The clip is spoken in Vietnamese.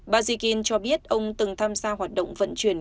bajikin cho biết ông từng tham gia hoạt động vận chuyển